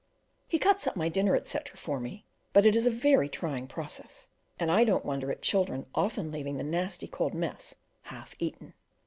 He cuts up my dinner, etc. for me; but it is a very trying process, and I don't wonder at children often leaving the nasty cold mess half eaten.